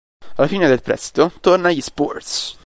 Alla fine del prestito torna agli "Spurs".